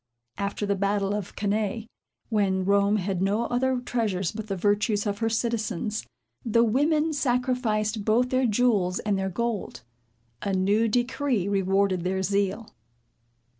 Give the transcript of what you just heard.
After the battle of Cannæ, when Rome had no other treasures but the virtues of her citizens, the women sacrificed both their jewels and their gold. A new decree rewarded their zeal.